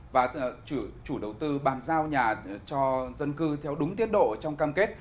và chủ đầu tư bàn giao nhà cho dân cư theo đúng tiết độ trong cam kết